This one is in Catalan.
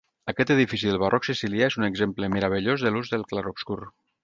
Aquest edifici del barroc sicilià és un exemple meravellós de l'ús del clarobscur.